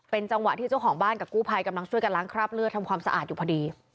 จังหวะที่เจ้าของบ้านกับกู้ภัยกำลังช่วยกันล้างคราบเลือดทำความสะอาดอยู่พอดี